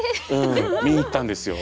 見に行ったんですよ。